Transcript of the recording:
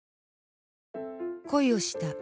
恋をした。